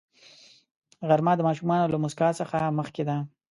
غرمه د ماشوم له موسکا څخه مخکې ده